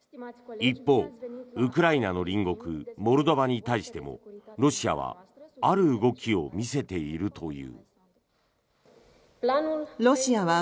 一方、ウクライナの隣国モルドバに対してもロシアはある動きを見せているという。